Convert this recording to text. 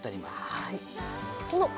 はい。